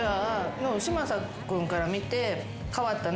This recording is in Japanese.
嶋佐君から見て。